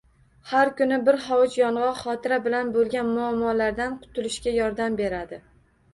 Har kuni bir hovuch yong‘oq xotira bilan bog‘liq muammolardan qutulishga yordam beradi.